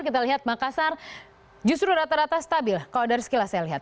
kita lihat makassar justru rata rata stabil kalau dari sekilas saya lihat